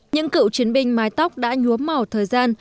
những cựu chiến binh mái tóc đã nhuốm màu thời gian